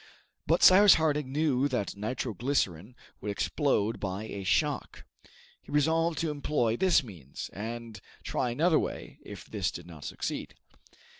But Cyrus Harding knew that nitro glycerine would explode by a shock. He resolved to employ this means, and try another way, if this did not succeed.